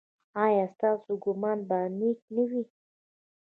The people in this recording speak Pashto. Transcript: ایا ستاسو ګمان به نیک نه وي؟